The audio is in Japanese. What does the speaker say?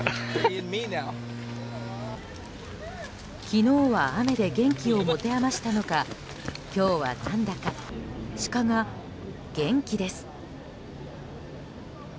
昨日は雨で元気を持て余したのか今日は何だかシカが元気です。